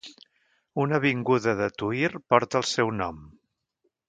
Una avinguda de Tuïr porta el seu nom.